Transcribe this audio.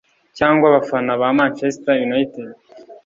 Cyangwa abafana ba Manchester United